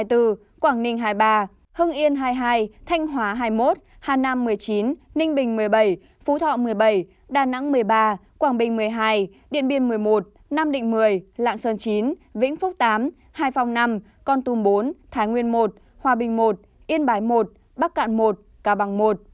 phú yên hai mươi bốn quảng ninh hai mươi ba hưng yên hai mươi hai thanh hóa hai mươi một hà nam một mươi chín ninh bình một mươi bảy phú thọ một mươi bảy đà nẵng một mươi ba quảng bình một mươi hai điện biên một mươi một nam định một mươi lạng sơn chín vĩnh phúc tám hải phòng năm con tùm bốn thái nguyên một hòa bình một yên bái một bắc cạn một cao bằng một